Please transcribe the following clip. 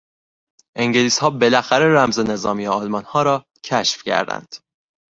انگلیسها بالاخره رمز نظامی آلمانها را کشف کردند.